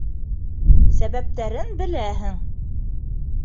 Сәбәптәрен беләһең.